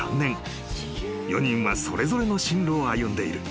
４人はそれぞれの進路を歩んでいる］